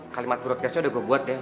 kalimat broadcastnya udah gue buat deh